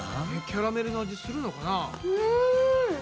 キャラメルの味するのかな？